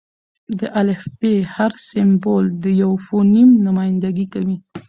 د الفبې: هر سېمبول د یوه فونیم نمایندګي کوي.